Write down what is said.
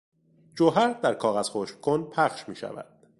جوهر در کاغذ خشککن پخش میشود.